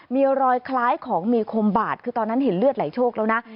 มีรอยคล้ายของมีคมบาดคือตอนนั้นเห็นเลือดไหลโชคแล้วนะ